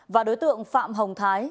và đối tượng phạm hồng thái